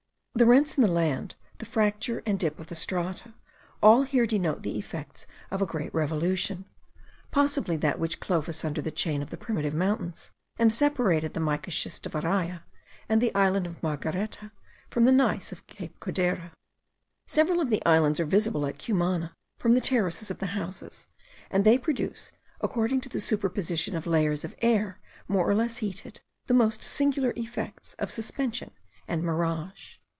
The rents in the land, the fracture and dip of the strata, all here denote the effects of a great revolution: possibly that which clove asunder the chain of the primitive mountains, and separated the mica schist of Araya and the island of Margareta from the gneiss of Cape Codera. Several of the islands are visible at Cumana, from the terraces of the houses, and they produce, according to the superposition of layers of air more or less heated, the most singular effects of suspension and mirage.